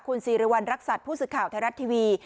คุณสีรวัญรักษัทผู้สึกข่าวไทยรัฐทวีย์